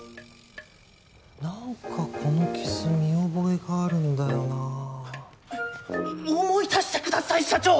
何かこの傷見覚えがあるんだよなあ思い出してください社長！